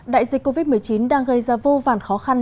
đại dịch covid một mươi chín đang gây ra vô vọng